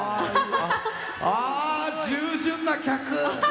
ああー従順な客！